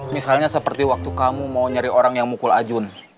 misalnya seperti waktu kamu mau nyari orang yang mukul ajun